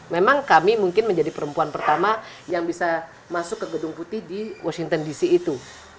memang kami mungkin menjadi perempuan pertama yang bisa masuk ke gedung putih di washington dc itu